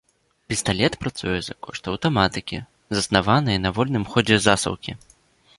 Пісталет працуе за кошт аўтаматыкі, заснаванай на вольным ходзе засаўкі.